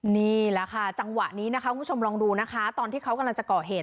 นี่แหละค่ะจังหวะนี้นะคะคุณผู้ชมลองดูนะคะตอนที่เขากำลังจะก่อเหตุ